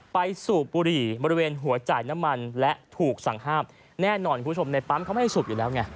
สูบบุหรี่บริเวณหัวจ่ายน้ำมันและถูกสั่งห้ามแน่นอนคุณผู้ชมในปั๊มเขาไม่ให้สูบอยู่แล้วไง